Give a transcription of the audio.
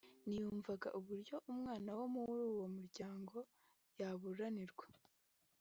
ntiyumvaga uburyo umwana wo muri uwo muryango yaburanirwa